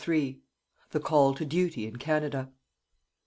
THE CALL TO DUTY IN CANADA.